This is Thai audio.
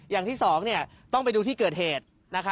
อย่างที่๒ต้องไปดูที่เกิดเหตุ